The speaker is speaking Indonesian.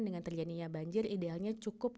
dengan terjadinya banjir idealnya cukup